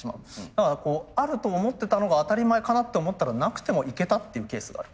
だからこうあると思ってたのが当たり前かなって思ったらなくてもいけたっていうケースがある。